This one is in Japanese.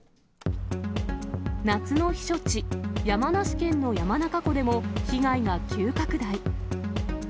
夏の避暑地、山梨県の山中湖でも、被害が急拡大。